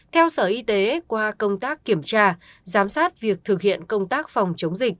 theo sở y tế qua công tác kiểm tra giám sát việc thực hiện công tác phòng chống dịch